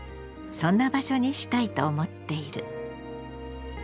そんな場所にしたいと思っている。